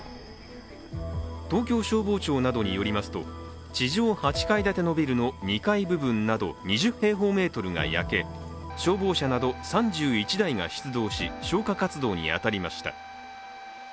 東京消防庁などによりますと地上８階建てのビルの２階部分など２０平方メートルが焼け、消防車など３１台が出動し消火活動に当たりました。